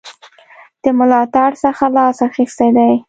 د ملاتړ څخه لاس اخیستی دی.